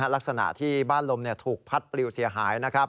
ลักษณะที่บ้านลมถูกพัดปลิวเสียหายนะครับ